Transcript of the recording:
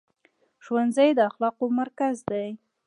ښوونځی د اخلاقو مرکز دی.